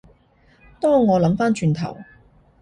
當我諗返轉頭